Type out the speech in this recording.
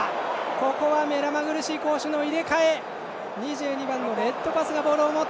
ここはめまぐるしい攻守の入れ替え。